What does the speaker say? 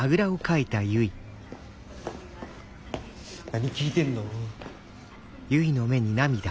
何聴いてんの？